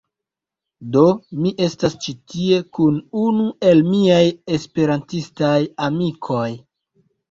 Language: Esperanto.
Do, mi estas ĉi tie kun unu el miaj esperantistaj amikoj